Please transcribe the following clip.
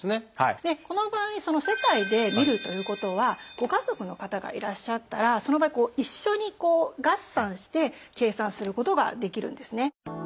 この場合世帯で見るということはご家族の方がいらっしゃったらその場合一緒に合算して計算することができるんですね。